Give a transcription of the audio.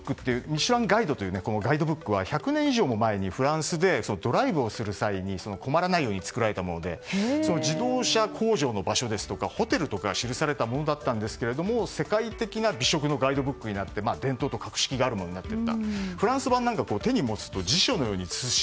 この「ミシュランガイド」というガイドブックって１００年以上も前にフランスでドライブをする際に止まらないように作られたもので自動車工場の場所やホテルが記されたものだったんですが世界的な美食のガイドブックになって伝統と格式があるものになっていった。